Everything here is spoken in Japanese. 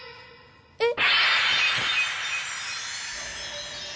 えっ？